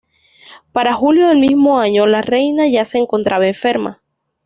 Para julio del mismo año, la reina ya se encontraba enferma.